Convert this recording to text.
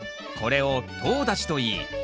これをとう立ちといい